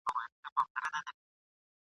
چي ډېر کسان یې !.